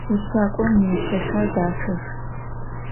Vusak'om yiusexer daxex.